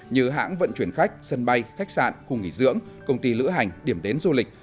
như hãng vận chuyển khách sân bay khách sạn khu nghỉ dưỡng công ty lữ hành điểm đến du lịch